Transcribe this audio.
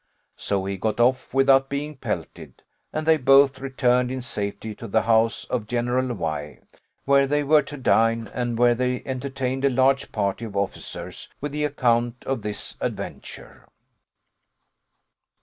So he got off without being pelted, and they both returned in safety to the house of General Y , where they were to dine, and where they entertained a large party of officers with the account of this adventure.